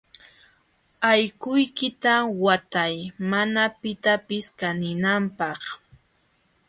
Allquykita watay mana pitapis kaninanpaq.